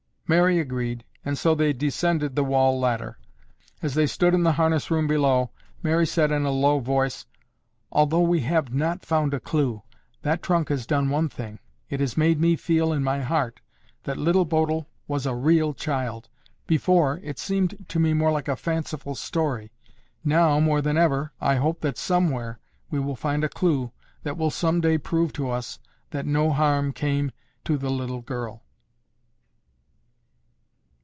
Mary agreed and so they ascended the wall ladder. As they stood in the harness room below, Mary said in a low voice, "Although we have not found a clue, that trunk has done one thing; it has made me feel in my heart that Little Bodil was a real child. Before, it seemed to me more like a fanciful story. Now, more than ever, I hope that somewhere we will find a clue that will someday prove to us that no harm came to the little girl."